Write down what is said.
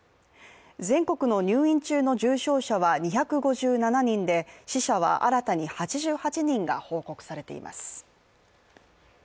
全国の入院中の重症者は２５７人で死者は新たに８８人が報告されています。